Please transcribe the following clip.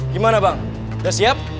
gimana bang udah siap